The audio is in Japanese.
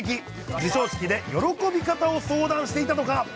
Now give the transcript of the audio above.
授賞式で喜び方を相談していたとか。